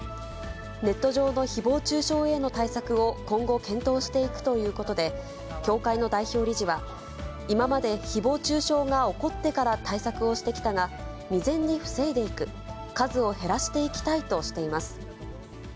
ネット上のひぼう中傷への対策を、今後、検討していくということで、協会の代表理事は、今までひぼう中傷が起こってから対策をしてきたが、未然に防いでいく、数を減らしていきたいとしています。